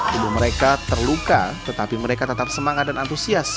tubuh mereka terluka tetapi mereka tetap semangat dan antusias